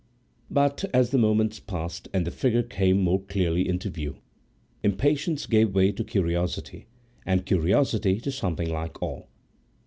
But as the moments passed and the figure came more clearly into view, impatience gave way to curiosity, and curiosity to something like awe.